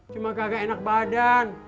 cuma kagak enak badan